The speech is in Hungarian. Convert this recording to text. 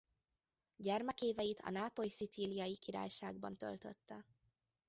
Gyermekéveit a Nápoly–Szicíliai Királyságban töltötte.